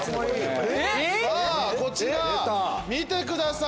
さぁこちら見てください！